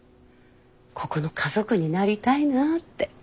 ここの家族になりたいなって。